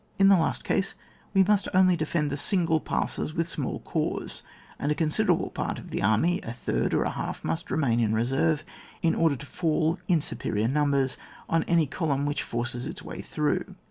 In the last case, we must only defend the single passes with small corps, and a con siderable part of the army (a third or a half) must remain in reserve, in order to fall in superior numbers on any column which forces its way through.